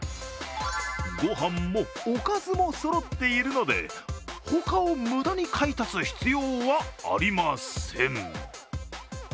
ご飯もおかずもそろっているので他を無駄に買い足す必要はありません。